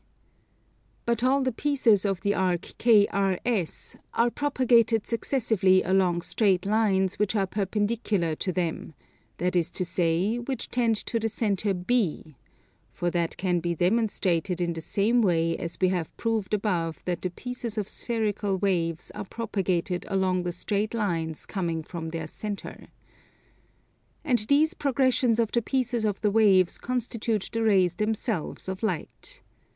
But all the pieces of the arc KRS are propagated successively along straight lines which are perpendicular to them, that is to say, which tend to the centre B (for that can be demonstrated in the same way as we have proved above that the pieces of spherical waves are propagated along the straight lines coming from their centre), and these progressions of the pieces of the waves constitute the rays themselves of light.